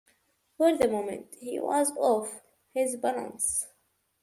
For the moment he was off his balance.